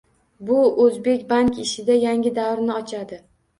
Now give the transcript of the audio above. Bu o'zbek bank ishida yangi davrni ochadi